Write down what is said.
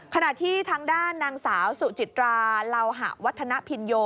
ขณะที่ทางด้านนางสาวสุจิตราเหลาหะวัฒนภินโย